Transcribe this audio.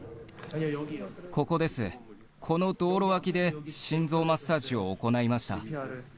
ここです、この道路脇で心臓マッサージを行いました。